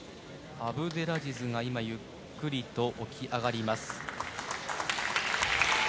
アブデラジズが今、ゆっくりと起き上がります。